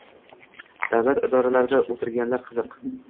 Davlat idoralarida o‘tirganlar qiziq.